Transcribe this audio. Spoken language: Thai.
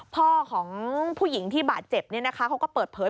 พ่อของผู้หญิงที่บาดเจ็บเขาก็เปิดเผย